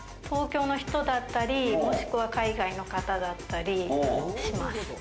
東京の人だったり、もしくは海外の方だったりします。